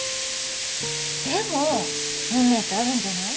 でも運命ってあるんじゃない？